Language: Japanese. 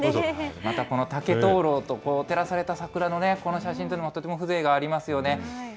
またこの竹灯籠と照らされた桜のね、この写真というのも、とても風情がありますよね。